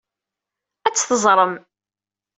Ad t-teẓrem.